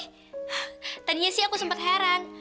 hah tadinya sih aku sempat heran